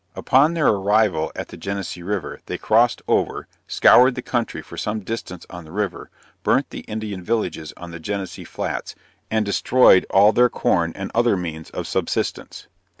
Upon their arrival at the Genesee river, they crossed over, scoured the country for some distance on the river, burnt the Indian villages on the Genesee flats, and destroyed all their corn and other means of subsistence.